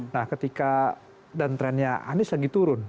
nah ketika dan trennya anies lagi turun